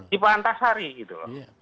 di pak antarsari gitu